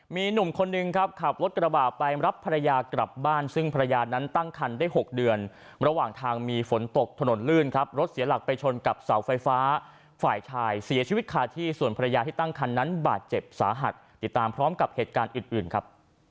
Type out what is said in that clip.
มีหนุ่มคนหนึ่งครับขับรถกระบาดไปรับภรรยากลับบ้านซึ่งภรรยานั้นตั้งคันได้๖เดือนระหว่างทางมีฝนตกถนนลื่นครับรถเสียหลักไปชนกับเสาไฟฟ้าฝ่ายชายเสียชีวิตคาที่ส่วนภรรยาที่ตั้งคันนั้นบาดเจ็บสาหัสติดตามพร้อมกับเหตุการณ์อื่นครับ